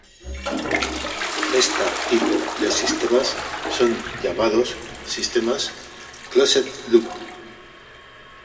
Esta tipo de sistemas son llamados sistemas "closed-loop".